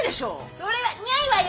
それはニャいわよ！